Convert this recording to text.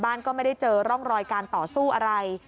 บ้านก็ไม่ได้เจอร่องรอยการต่อสู้อะไร